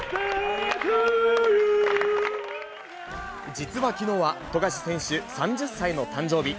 実はきのうは、富樫選手３０歳の誕生日。